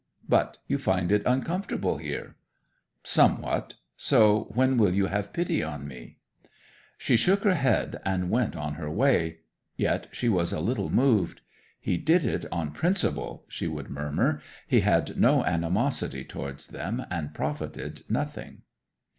'"But you find it uncomfortable here?" '"Somewhat. So when will you have pity on me?" 'She shook her head and went on her way. Yet she was a little moved. "He did it on principle," she would murmur. "He had no animosity towards them, and profited nothing!"